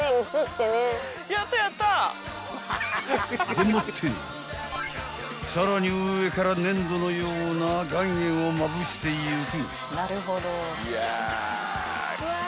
［でもってさらに上から粘土のような岩塩をまぶしていく］